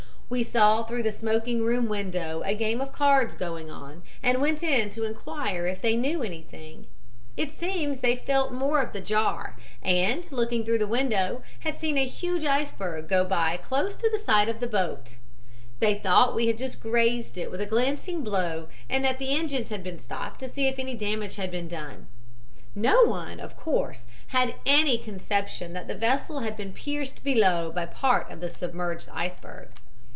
"We saw through the smoking room window a game of cards going on, and went in to inquire if they knew anything; it seems they felt more of the jar, and, looking through the window, had seen a huge iceberg go by close to the side of the boat. They thought we had just grazed it with a glancing blow, and that the engines had been stopped to see if any damage had been done. No one, of course, had any conception that the vessel had been pierced below by part of the submerged iceberg.